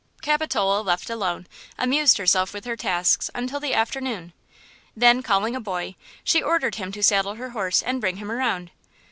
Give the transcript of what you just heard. Capitola, left alone, amused herself with her tasks until the afternoon; then, calling a boy, she ordered him to saddle her horse and bring him around.